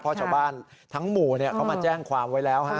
เพราะชาวบ้านทั้งหมู่เขามาแจ้งความไว้แล้ว